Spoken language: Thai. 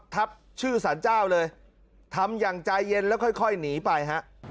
ทับชื่อสารเจ้าเลยทำอย่างใจเย็นแล้วค่อยหนีไปฮะ